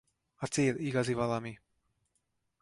A cél igazi valami!